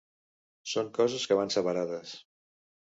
Són coses que van separades.